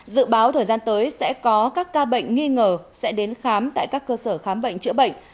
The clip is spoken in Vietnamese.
dự báo thời gian tới sẽ có các ca bệnh nghi ngờ sẽ đến khám tại các cơ sở khám bệnh chữa bệnh